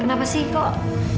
kenapa sih kok